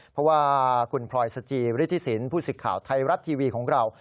เพราะว่าคุณพลอยสจิฤทธิสินผู้สิทธิ์ข่าวไทยรัฐทีวีของเรา